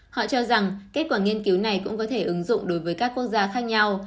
họ cho rằng kết quả nghiên cứu này cũng có thể ứng dụng đối với các quốc gia khác nhau